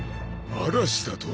嵐だと？